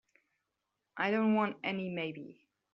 I don't want any maybe.